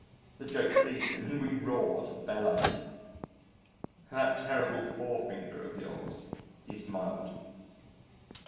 The joke pleased him and we roared, bellowed. "That terrible forefinger of yours," he smiled.